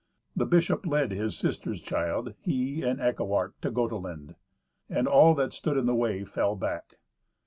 The bishop led his sister's child, he and Eckewart, to Gotelind, and all that stood in the way fell back.